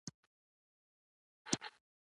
ښارونه د افغان ماشومانو د زده کړې موضوع ده.